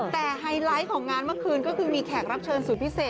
แต่ไฮไลท์ของงานเมื่อคืนก็คือมีแขกรับเชิญสุดพิเศษ